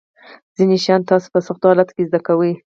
ځینې شیان تاسو په سختو حالاتو کې زده کوئ.